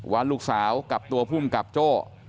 ว่าลูกสาวกับตัวภูมิกับโจ้